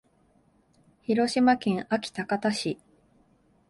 広島県安芸高田市